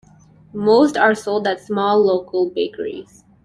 Most are sold at small local bakeries.